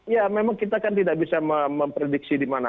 ya memang kita kan tidak bisa memprediksi dimana